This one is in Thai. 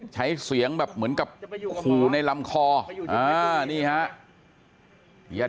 ใช้เสียงแบบเหมือนกับขู่ในลำคออ่านี่ฮะ